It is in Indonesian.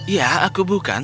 ya aku bukan